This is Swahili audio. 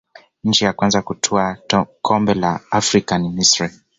nchi ya kwanza kutwaa kombe la afrika ni misri